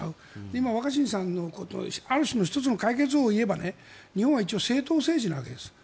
今、若新さんが言ったある種の１つの解決方法をいえば日本は一応政党政治なわけです。